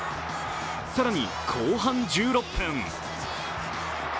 更に後半１６分。